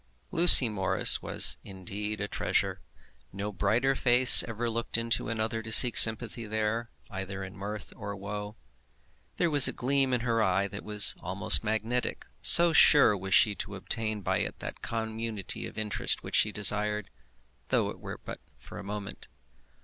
Lucy Morris was indeed a treasure. No brighter face ever looked into another to seek sympathy there, either in mirth or woe. There was a gleam in her eyes that was almost magnetic, so sure was she to obtain by it that community of interest which she desired, though it were but for a moment.